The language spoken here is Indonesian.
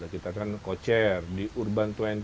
kita kan co chair di urban dua puluh